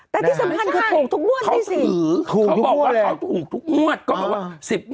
แต่สำคัญคือถูกทุกมวดเลยสิ